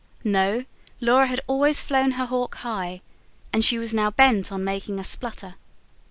No, Laura had always flown her hawk high, and she was now bent on making a splutter.